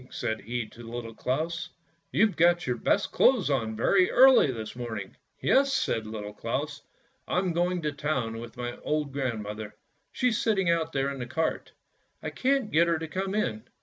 said he to Little Claus; "you've got your best clothes on very early this morning! "" Yes," said Little Claus; " I'm going to town with my old grandmother, she's sitting out there in the cart, I can't get her to come in.